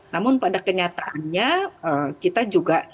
namun pada kenyataannya kita juga